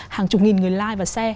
hàng chục nghìn người like và share